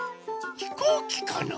ひこうきかな？